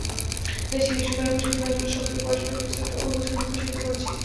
দেশটি গ্রীষ্মকাল এবং শীতকালের জন্য সক্রিয় পর্যটক রিসোর্ট ও হোটেল বিকশিত করেছে।